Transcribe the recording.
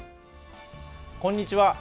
こんにちは。